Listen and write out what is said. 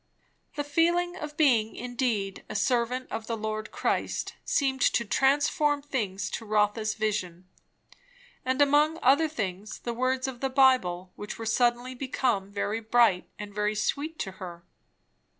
The feeling of being indeed a servant of the Lord Christ seemed to transform things to Rotha's vision. And among other things, the words of the Bible, which were suddenly become very bright and very sweet to her.